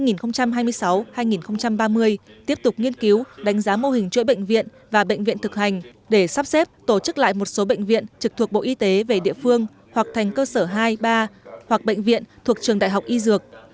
giai đoạn hai nghìn hai mươi sáu hai nghìn ba mươi tiếp tục nghiên cứu đánh giá mô hình chuỗi bệnh viện và bệnh viện thực hành để sắp xếp tổ chức lại một số bệnh viện trực thuộc bộ y tế về địa phương hoặc thành cơ sở hai ba hoặc bệnh viện thuộc trường đại học y dược